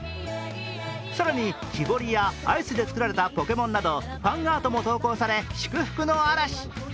更に、木彫りやアイスで作られたポケモンなど、ファンアートも投稿され祝福の嵐。